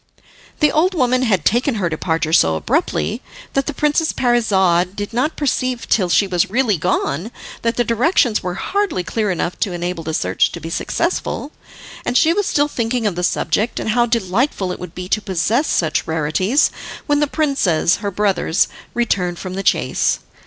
The old woman had taken her departure so abruptly that the Princess Parizade did not perceive till she was really gone that the directions were hardly clear enough to enable the search to be successful. And she was still thinking of the subject, and how delightful it would be to possess such rarities, when the princes, her brothers, returned from the chase.